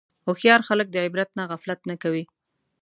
هوښیار خلک د عبرت نه غفلت نه کوي.